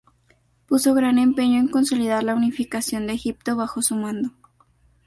Puso gran empeño en consolidar la unificación de Egipto bajo su mando.